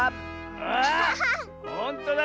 あほんとだ！